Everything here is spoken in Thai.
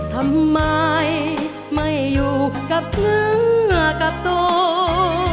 ทำไมไม่อยู่กับเสื้อกับตัว